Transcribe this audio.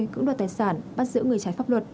cưỡng đoạt tài sản bắt giữ người trái pháp luật